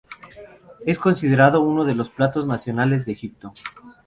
Es considerado uno de los platos nacionales de Egipto.